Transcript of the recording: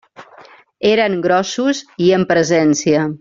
Eren grossos i amb presència.